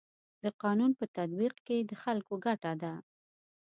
د قانون په تطبیق کي د خلکو ګټه ده.